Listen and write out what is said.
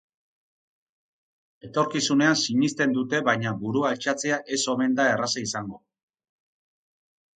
Etorkizunean sinisten dute baina burua altxatzea ez omen da erraza izango.